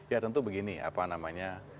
ya tentu begini apa namanya